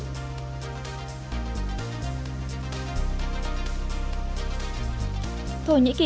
thổ nhĩ kỳ sẵn sàng trợ giúp afghanistan loại chữ is